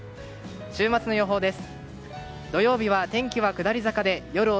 週末の予報です。